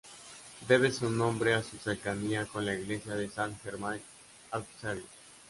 Debe su nombre a su cercanía con la iglesia de Saint-Germain-l'Auxerrois.